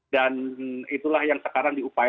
dan itulah yang sekarang diupaya